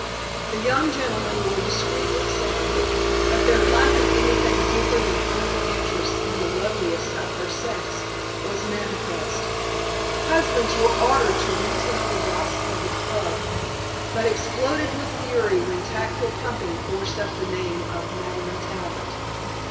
The young gentlemen were discreetly sounded, but their lack of anything deeper than friendly interest in the "loveliest of her sex" was manifest. Husbands were ordered to retail the gossip of the Club, but exploded with fury when tactful pumping forced up the name of Madeleine Talbot.